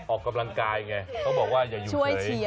ออกกำลังกายไงต้องบอกว่าอย่าหยุดเลย